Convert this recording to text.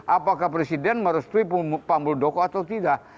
apakah presiden merestui pak muldoko atau tidak